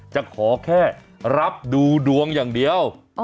จะขอแค่รับดูดวงอย่างเดียว